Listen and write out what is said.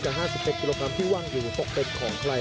แถมในนี้สุดยอด๕๑กิโลกรัมที่ว่างอยู่ตกเต็กของใคร